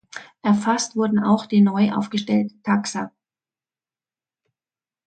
Erfasst wurden auch die neu aufgestellten Taxa.